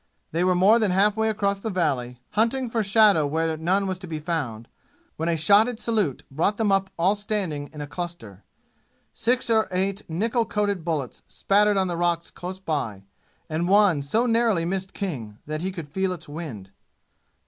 They were more than half way across the valley, hunting for shadow where none was to be found, when a shotted salute brought them up all standing in a cluster. Six or eight nickel coated bullets spattered on the rocks close by, and one so narrowly missed King that he could feel its wind.